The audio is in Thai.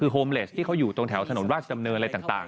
โฮมเลสที่เขาอยู่ตรงแถวถนนราชดำเนินอะไรต่าง